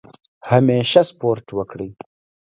همیشه سپورټ وکړئ.